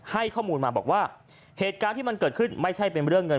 ให้ข้อมูลมาบอกว่าเหตุการณ์ที่มันเกิดขึ้นไม่ใช่เป็นเรื่องเงิน